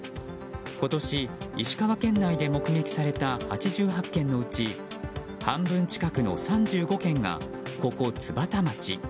今年、石川県内で目撃された８８件のうち半分近くの３５件がここ津幡町。